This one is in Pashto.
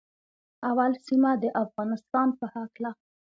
اول سیمه د افغانستان په هکله